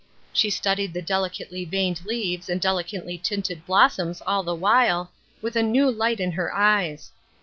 She studied the delicately veined leaves and delicately tinted blossoms all the while, with a new light in her eyes.